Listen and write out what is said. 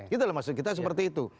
itulah maksud kita seperti itu